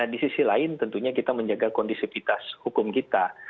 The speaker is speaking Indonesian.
di sisi lain tentunya kita menjaga kondisivitas hukum kita